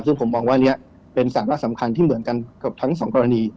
ซึ่งผมมองว่านี้เป็นสาระสำคัญที่เหมือนกันเกือบทั้งสองกรณี